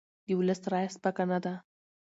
د ولس رایه سپکه نه ده